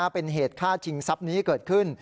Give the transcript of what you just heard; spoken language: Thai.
เป็นเหตุฆ่าชิงทรัพย์นี้เกิดขึ้น